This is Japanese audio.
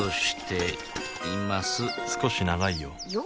少し長いよよ？